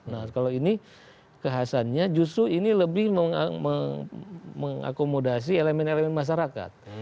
nah kalau ini kekhasannya justru ini lebih mengakomodasi elemen elemen masyarakat